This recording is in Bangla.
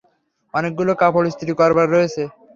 অনেকগুলো কাপড় ইস্ত্রি করবার রয়েছে।